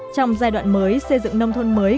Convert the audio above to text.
trong giai đoạn mới xây dựng nông thôn mới